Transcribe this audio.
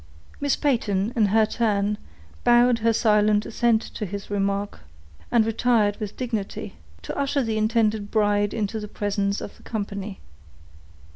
Miss Peyton, in her turn, bowed her silent assent to this remark, and retired with dignity, to usher the intended bride into the presence of the company.